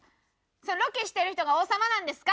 ロケしてる人が王様なんですか？